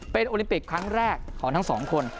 เป็นโอลิมปิกครั้งแรกของทั้งสองคน